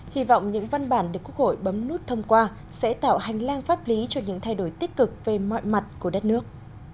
hy vọng những văn bản được quốc hội bấm nút thông qua sẽ tạo hành lang pháp lý cho những thay đổi tích cực về mọi mặt của đất nước